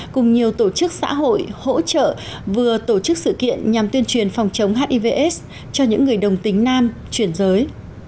cùng nhiều tổ chức xã hội hỗ trợ vừa tổ chức sự kiện nhằm tuyên truyền phòng chống hiv aids cho những người đồng tính nam chuyển giới